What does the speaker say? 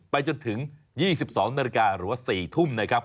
จนถึง๒๒นาฬิกาหรือว่า๔ทุ่มนะครับ